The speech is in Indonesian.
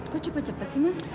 kok cepat cepat sih mas